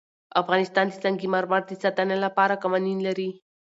افغانستان د سنگ مرمر د ساتنې لپاره قوانین لري.